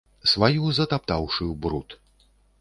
Сваю затаптаўшы ў бруд.